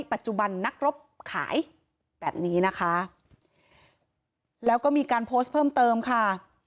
ปัจจุบันนักรบขายแบบนี้นะคะแล้วก็มีการโพสต์เพิ่มเติมค่ะ